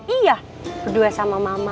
iya berdua sama mama